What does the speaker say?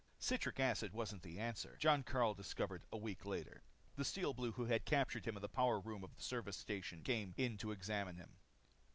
Citric acid wasn't the answer, Jon Karyl discovered a week later. The Steel Blue who had captured him in the power room of the service station came in to examine him.